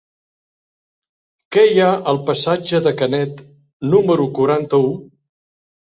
Què hi ha al passatge de Canet número quaranta-u?